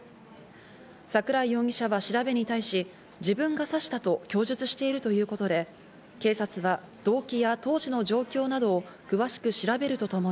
桜井容疑者は調べに対し、自分が刺したと供述しているということで、警察は動機や当時の状況などを詳しく調べるとともに